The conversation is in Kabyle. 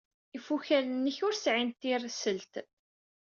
Ifukal-nnek ur sɛin tirselt.